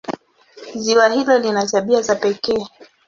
Ziwa hilo lina tabia za pekee.